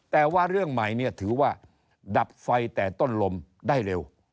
แต่ว่าเรื่องใหม่เนี่ยถือว่าดับไฟแต่ต้นลมได้เร็ว